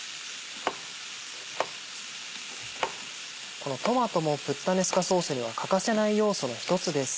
このトマトもプッタネスカソースには欠かせない要素の一つです。